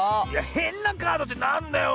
へんなカードってなんだよ。